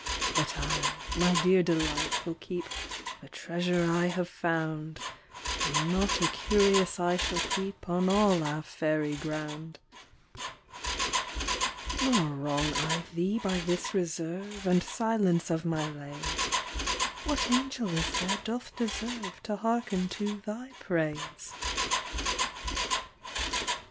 But I, my dear delight, will keep The treasure I have found, And not a curious eye shall peep On all our fairy ground ; Nor wrong I thee by this reserve And silence of my lays, What angel is there doth deserve To hearken to thy praise